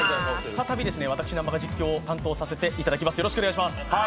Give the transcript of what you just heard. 再び私、南波が実況を担当させていただきます。